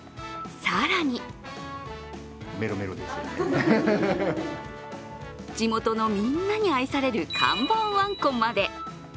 更に地元のみんなに愛される看板わんこまで。